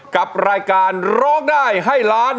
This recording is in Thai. กับรายการร้องได้ให้ล้าน